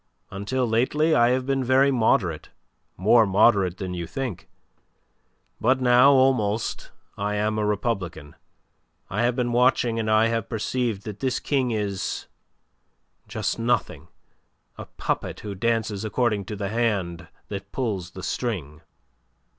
Until lately I have been very moderate; more moderate than you think. But now almost I am a republican. I have been watching, and I have perceived that this King is just nothing, a puppet who dances according to the hand that pulls the string."